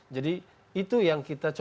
jadi itu yang kita